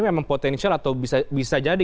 memang potensial atau bisa jadi